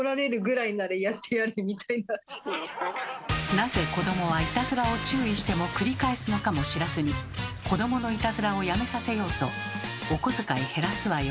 なぜ子どもはいたずらを注意しても繰り返すのかも知らずに子どものいたずらをやめさせようと「お小遣い減らすわよ」